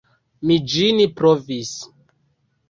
Mi ĝin provis.